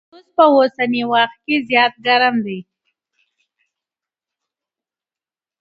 توس په اوسني وخت کي زيات ګرم دی.